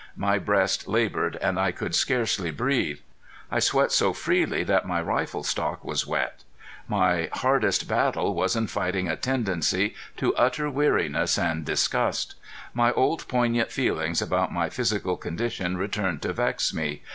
My breast labored and I could scarcely breathe. I sweat so freely that my rifle stock was wet. My hardest battle was in fighting a tendency to utter weariness and disgust. My old poignant feelings about my physical condition returned to vex me.